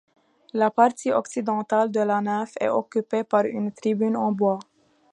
La partie occidentale de la nef est occupée par une tribune en bois.